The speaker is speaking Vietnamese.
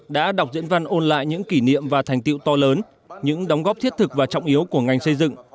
đã đọc diễn văn ôn lại những kỷ niệm và thành tiệu to lớn những đóng góp thiết thực và trọng yếu của ngành xây dựng